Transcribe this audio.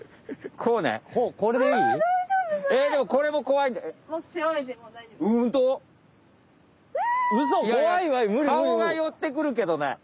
かおがよってくるけどね。